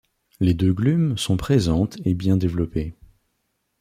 Les deux glumes sont présentes et bien développées.